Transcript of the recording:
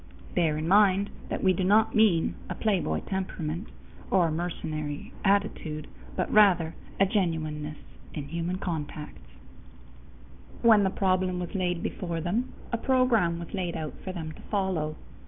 Bear in mind that we do not mean a playboy temperament or a mercenary attitude, but rather a genuineness in human contacts. When the problem was laid before them, a program was laid out for them to follow.